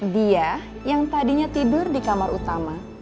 dia yang tadinya tidur di kamar utama